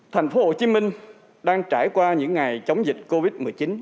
thành phố hồ chí minh đang trải qua những ngày chống dịch covid một mươi chín